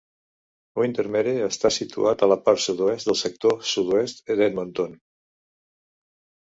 Windermere està situat a la part sud-oest del sector sud-oest d'Edmonton.